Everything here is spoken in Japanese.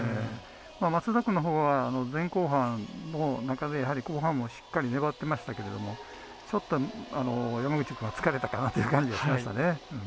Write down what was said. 松田君のほうは前後半の中で後半も、しっかり粘ってましたけれどもちょっと山口君は疲れたかなという感じはしましたね。